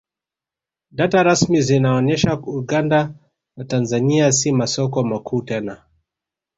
Data rasmi zinaonesha Uganda na Tanzania si masoko makuu tena